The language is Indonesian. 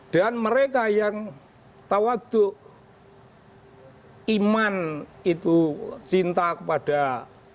dan mereka yang tawaduk iman itu cinta kepada pancasila